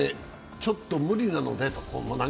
ちょっと無理なのでと。